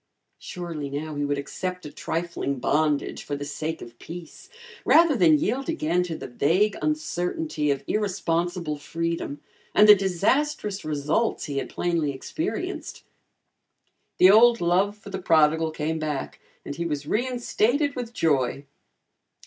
Surely now he would accept a trifling bondage for the sake of peace, rather than yield again to the vague uncertainty of irresponsible freedom and the disastrous results he had plainly experienced. The old love for the prodigal came back and he was reinstated with joy.